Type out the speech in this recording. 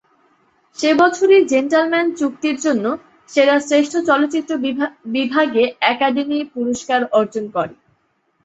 সে বছরই "জেন্টলম্যানের চুক্তির জন্য" সেরা শ্রেষ্ঠ চলচ্চিত্র বিভাগে একাডেমি পুরস্কার অর্জন করে।